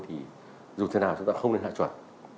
thì dù thế nào chúng ta không nên hạ chuẩn